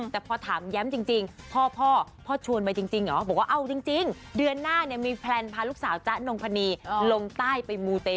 แต่พอถามแย้มจริงพ่อพ่อชวนไปจริงเหรอบอกว่าเอาจริงเดือนหน้าเนี่ยมีแพลนพาลูกสาวจ๊ะนงพนีลงใต้ไปมูเต